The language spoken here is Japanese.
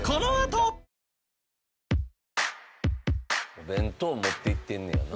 お弁当持っていってんねやな。